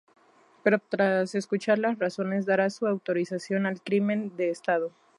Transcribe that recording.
Pero tras escuchar las razones, dará su autorización al crimen de estado.